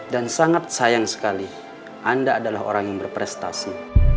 dan sangat sayang sekali anda adalah orang yang berprestasi